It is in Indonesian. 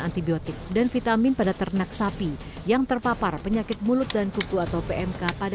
antibiotik dan vitamin pada ternak sapi yang terpapar penyakit mulut dan kutu atau pmk pada